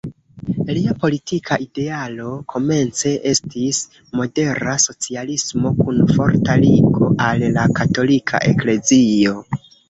Lia politika idealo komence estis modera socialismo kun forta ligo al la katolika eklezio.